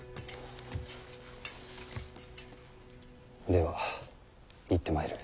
では行ってまいる。